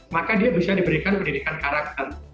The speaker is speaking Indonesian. maka dia bisa diberikan pendidikan karakter